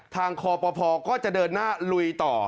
คอปภก็จะเดินหน้าลุยต่อ